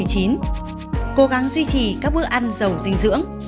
cố gắng duy trì các bữa ăn giàu dinh dưỡng